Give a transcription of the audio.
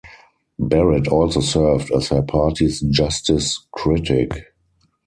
Barrett also served as her party's justice critic.